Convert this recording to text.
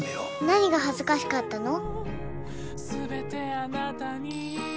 何が恥ずかしかったの？